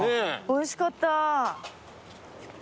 おいしかった。